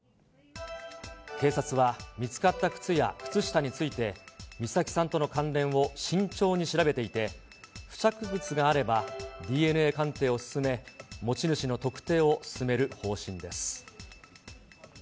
警察は見つかった靴や靴下について、美咲さんとの関連を慎重に調べていて、付着物があればＤＮＡ鑑定を進め、持ち主の特定を進める方針です。